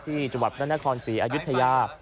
ที่จังหวัดพระนครศรีอายุทยา